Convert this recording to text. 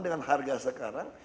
dengan harga sekarang